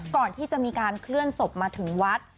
ก่อนที่จะมีการเคลื่อนศพมาถึงวัด